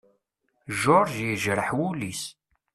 George yejreḥ wul-is.